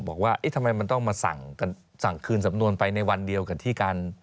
บอกว่าทำไมมันต้องมาสั่งคืนสำนวนไปในวันเดียวกับที่การ